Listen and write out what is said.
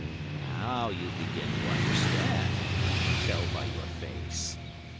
Now you begin to understand, I can tell by your face.